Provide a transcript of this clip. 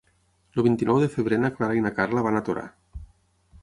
El vint-i-nou de febrer na Clara i na Carla van a Torà.